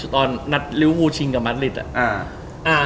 ตอนนัดริ้ววูชิงกับมัดลิดอะ